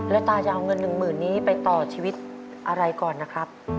แล้วตาจะเอาเงินหนึ่งหมื่นนี้ไปต่อชีวิตอะไรก่อนนะครับ